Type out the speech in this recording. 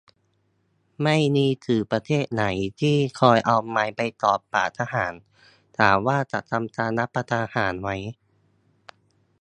ไม่มีสื่อประเทศไหนที่คอยเอาไมค์ไปจ่อปากทหาร ถามว่าจะทำรัฐประหารไหม